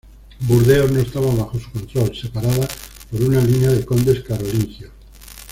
Burdeos no estaba bajo su control, separada por una línea de condes carolingios.